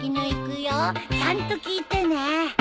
ちゃんと聞いてね。